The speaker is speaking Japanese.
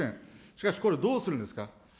しかしこれどうするんですか。